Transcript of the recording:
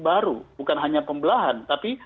baru bukan hanya pembelahan tapi